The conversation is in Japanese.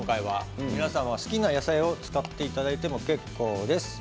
皆さんは好きな野菜を使っていただいて結構です。